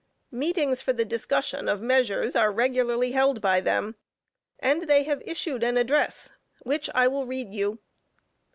Meetings for the discussion of measures are regularly held by them, and they have issued an address, which I will read you.